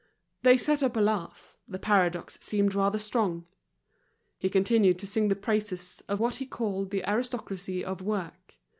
They set up a laugh, the paradox seemed rather strong. He continued to sing the praises of what he called the aristocracy of work.